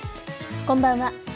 こんばんは。